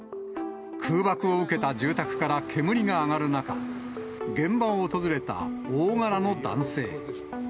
空爆を受けた住宅から煙が上がる中、現場を訪れた大柄の男性。